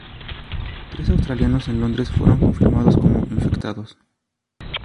Tres australianos en Londres fueron confirmados como infectados.